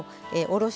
お！